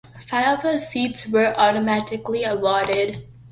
Five of the seats were automatically awarded.